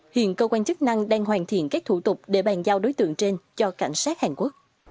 hiện cơ quan chức năng đang hoàn thiện các thủ tục để bàn giao đối tượng trên cho cảnh sát hàn quốc